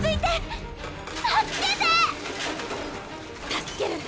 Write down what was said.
・助ける！